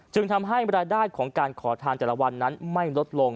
ทำให้รายได้ของการขอทานแต่ละวันนั้นไม่ลดลง